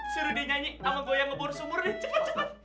seru dia nyanyi sama gue yang ngebor sumur deh cepet cepet